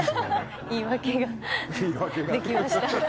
言い訳ができました。